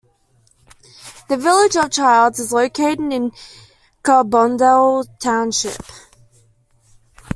The village of Childs is located in Carbondale township.